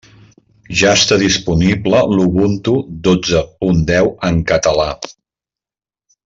Ja està disponible l'Ubuntu dotze punt deu en català.